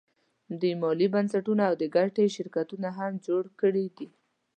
دوی مالي بنسټونه او د ګټې شرکتونه هم جوړ کړي دي